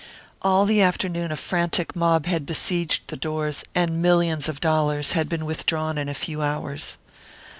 All the afternoon a frantic mob had besieged the doors, and millions of dollars had been withdrawn in a few hours.